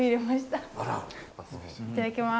いただきます。